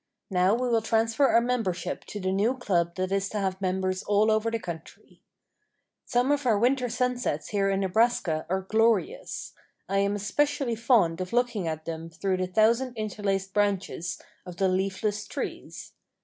Now we will transfer our membership to the new club that is to have members all over the country. Some of our winter sunsets here in Nebraska are glorious. I am especially fond of looking at them through the thousand interlaced branches of the leafless trees.